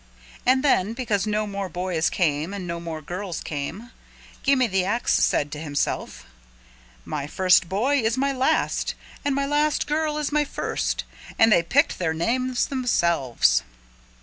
And then because no more boys came and no more girls came, Gimme the Ax said to himself, "My first boy is my last and my last girl is my first and they picked their names themselves."